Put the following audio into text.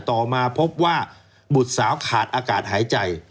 ต่อมาพบว่าบุตรสาวขาดอากาศหายใจ